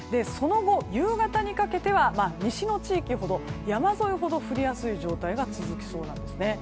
夕方にかけては西の地域ほど山沿いほど降りやすい状態が続きそうです。